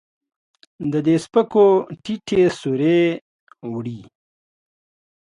د دې سپکو ټيټې سورې وړي